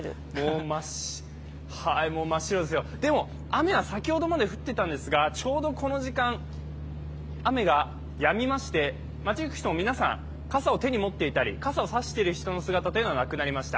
でも、雨は先ほどまで降っていたんですがちょうどこの時間、雨がやみまして街行く人も皆さん、傘を手に持っていたり傘を差している人の姿はなくなりました。